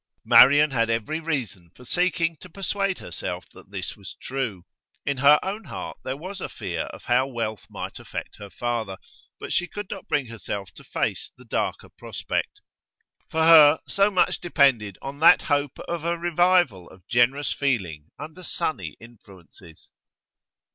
Marian had every reason for seeking to persuade herself that this was true. In her own heart there was a fear of how wealth might affect her father, but she could not bring herself to face the darker prospect. For her so much depended on that hope of a revival of generous feeling under sunny influences.